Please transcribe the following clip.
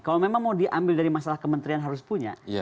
kalau memang mau diambil dari masalah kementerian harus punya